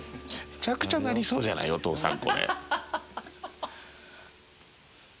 めちゃくちゃ鳴りそうじゃないお父さん。